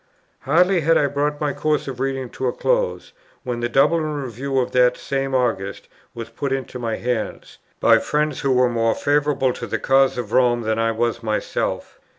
Hardly had I brought my course of reading to a close, when the Dublin Review of that same August was put into my hands, by friends who were more favourable to the cause of Rome than I was myself.